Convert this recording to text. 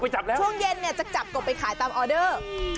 ช่วงเย็นจะจับกบไปขายตามออเดอร์